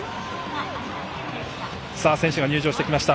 選手が入場してきました。